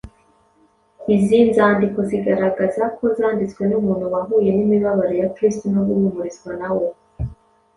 izi nzandiko zigaragaza ko zanditswe n’umuntu wahuye n’imibabaro ya kristo no guhumurizwa na we;